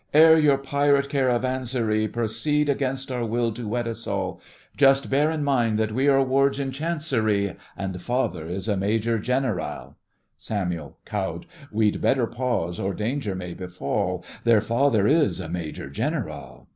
Ere your pirate caravanserai Proceed, against our will, to wed us all, Just bear in mind that we are Wards in Chancery, And father is a Major General! SAMUEL: (cowed) We'd better pause, or danger may befall, Their father is a Major General.